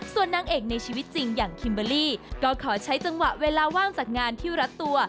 ส่วนนางเอกในชีวิตจริงอย่างคิมเบอร์รี่ก็ขอใช้จังหวะเวลาว่างจากงานที่รัดตัว